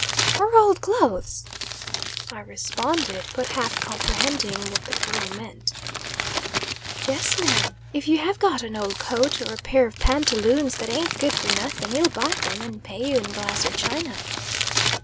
"For old clothes?" I responded, but half comprehending what the girl meant. "Yes ma'am. If you have got an old coat, or a pair of pantaloons that ain't good for nothing, he will buy them, and pay you in glass or china."